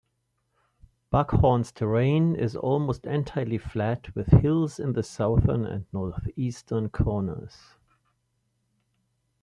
Buckhorn's terrain is almost entirely flat with hills in the southern and northeastern corners.